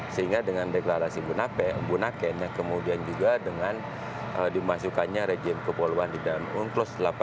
sehingga dengan deklarasi bunaken kemudian juga dengan dimasukkannya regimen kepoluan di dalam un plus delapan puluh dua